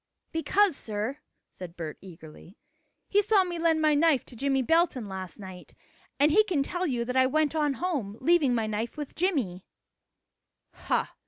"Because, sir," said Bert eagerly, "he saw me lend my knife to Jimmie Belton last night, and he can tell you that I went on home, leaving my knife with Jimmie." "Ha!